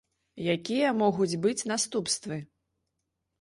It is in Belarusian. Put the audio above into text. Якія могуць быць наступствы?